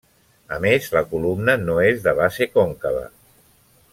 A més, la columna no és de base còncava.